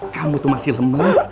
kamu tuh masih lemes